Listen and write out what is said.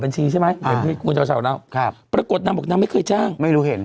พี่เกมคุณเจ้าเถ่าน้อง